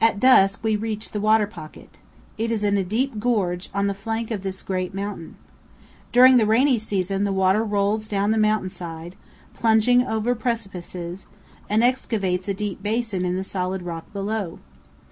At dusk we reach the water pocket. It is in a deep gorge on the flank of this great mountain. During the rainy season the water rolls down the mountain side, plunging over precipices, and excavates a deep basin in the solid rock below.